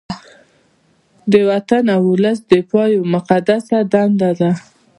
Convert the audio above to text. د وطن او ولس دفاع یوه مقدسه دنده ده